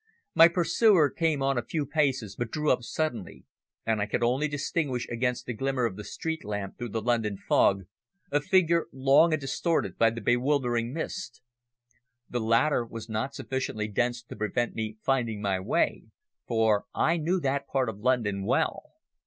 My pursuer came on a few paces, but drew up suddenly, and I could only distinguish against the glimmer of the street lamp through the London fog a figure long and distorted by the bewildering mist. The latter was not sufficiently dense to prevent me finding my way, for I knew that part of London well.